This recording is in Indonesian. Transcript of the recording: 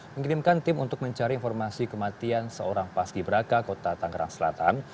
mengirimkan tim untuk mencari informasi kematian seorang paski beraka kota tangerang selatan